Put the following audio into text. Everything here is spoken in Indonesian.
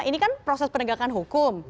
ini kan proses penegakan hukum